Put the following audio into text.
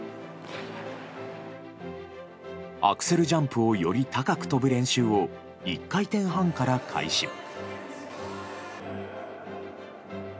アクセルジャンプをより高く跳ぶ練習を１回転半から開始。